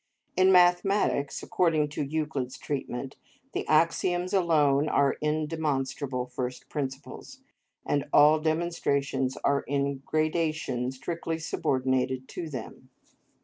In mathematics, according to Euclid's treatment, the axioms alone are indemonstrable first principles, and all demonstrations are in gradation strictly subordinated to them.